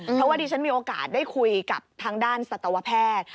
เพราะว่าดิฉันมีโอกาสได้คุยกับทางด้านสัตวแพทย์